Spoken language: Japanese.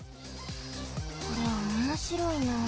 これおもしろいな。